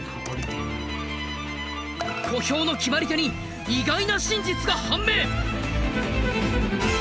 小兵の決まり手に意外な真実が判明！